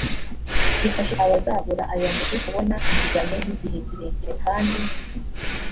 gifashe abazagura aya mazu kubona inguzanyo z igihe kirekire kandi